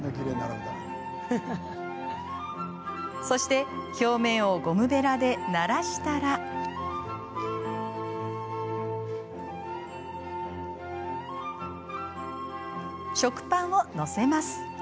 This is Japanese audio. そして、表面をゴムべらでならしたら食パンを載せます。